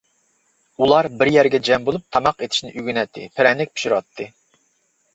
ئۇلار بىر يەرگە جەم بولۇپ، تاماق ئېتىشنى ئۆگىنەتتى، پىرەنىك پىشۇراتتى.